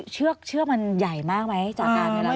เชือกมันใหญ่มากไหมจากการในราว